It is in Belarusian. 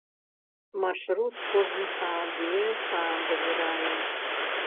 Маршрут кожны сабе сам выбірае.